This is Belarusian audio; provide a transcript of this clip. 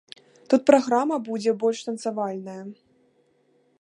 Тут праграма будзе больш танцавальная.